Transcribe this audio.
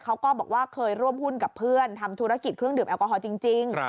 เขาก็บอกว่าเคยร่วมหุ้นกับเพื่อนทำธุรกิจเครื่องดื่มแอลกอฮอลจริง